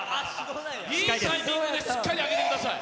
いいタイミングでしっかり上げてください。